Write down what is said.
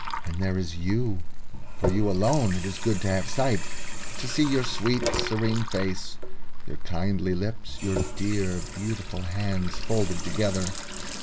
And there is you. For you alone it is good to have sight, to see your sweet, serene face, your kindly lips, your dear, beautiful hands folded together...